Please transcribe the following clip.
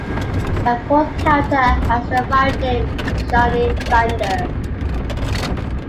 A fourth character has the variant name Jonni Thunder.